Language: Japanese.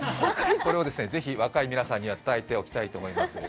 これをぜひ若い皆さんには伝えておきたいと思います。